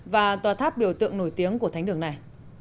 và tòa tháp biểu tượng nổi tiếng của thánh đường này